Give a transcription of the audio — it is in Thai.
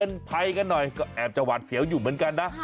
เป็นภัยกันหน่อยก็แอบจะหวาดเสียวอยู่เหมือนกันนะ